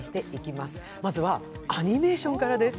まずはアニメーションからです。